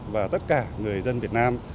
và tất cả người dân việt nam